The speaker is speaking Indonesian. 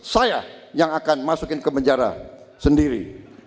saya yang akan masukin ke penjara sendiri